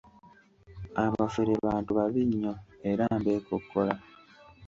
Abafere bantu babi nnyo era mbekokkola.